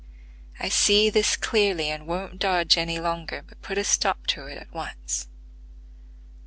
I see this clearly, and won't dodge any longer, but put a stop to it at once.